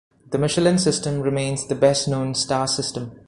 The Michelin system remains the best known star system.